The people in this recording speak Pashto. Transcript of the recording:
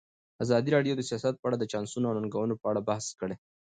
ازادي راډیو د سیاست په اړه د چانسونو او ننګونو په اړه بحث کړی.